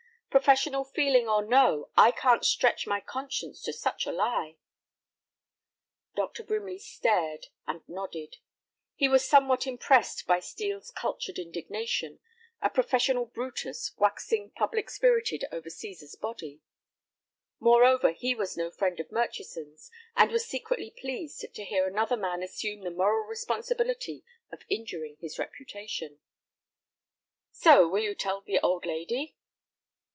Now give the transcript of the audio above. Professional feeling or no, I can't stretch my conscience to such a lie." Dr. Brimley stared and nodded. He was somewhat impressed by Steel's cultured indignation, a professional Brutus waxing public spirited over Cæsar's body. Moreover, he was no friend of Murchison's, and was secretly pleased to hear another man assume the moral responsibility of injuring his reputation. "So you will tell the old lady?"